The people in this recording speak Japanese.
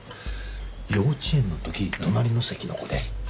幼稚園の時隣の席の子で。